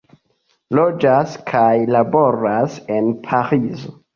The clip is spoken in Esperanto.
Loĝas kaj laboras en Parizo.